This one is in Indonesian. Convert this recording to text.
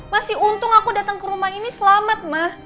masih untung aku datang ke rumah ini selamat mah